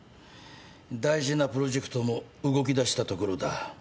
大事なプロジェクトも動きだしたところだ。